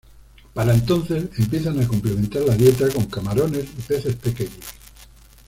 Para entonces empiezan a complementar la dieta con camarones y peces pequeños.